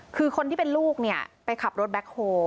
คือคนที่เป็นลูกไปขับรถแบล็คโฮล์